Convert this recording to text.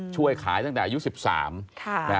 ช่วยขายตั้งแต่อายุ๑๓